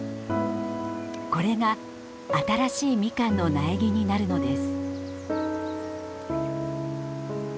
これが新しいみかんの苗木になるのです。